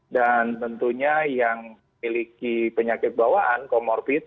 dan tentunya yang memiliki penyakit bawaan comorbid